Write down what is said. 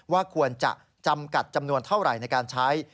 ว่าควรจะจำกัดจำนวนเท่าไหร่ในการใช้